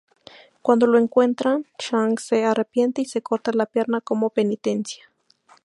Cuando lo encuentran, Chung se arrepiente y se corta la pierna como penitencia.